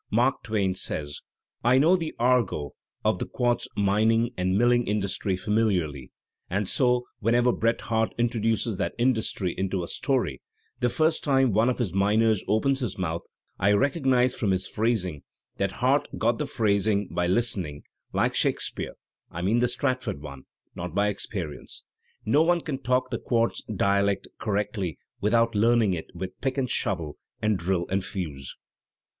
" Mark Twain says: "I know the argot of the quartz mining and milling industry famiUarly; and so whenever Bret Harte introduces that industry into a story, the first time one of his miners opens his mouth I recognize from his phrasing that Harte got the phrasing by listening — like Shakespeare — I mean the Stratford one — not by experience. No one can talk the quartz dialect correctly without learning it with pick and shovel and drill and fuse."